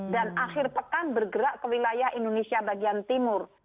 dan akhir pekan bergerak ke wilayah indonesia bagian timur